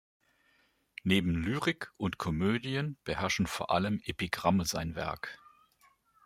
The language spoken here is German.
Neben Lyrik und Komödien beherrschen vor allem Epigramme sein Werk.